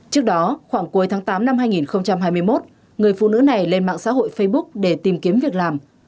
trước đó khoảng cuối tháng tám năm hai nghìn hai mươi một người phụ nữ này lên mạng xã hội facebook để tìm kiếm việc làm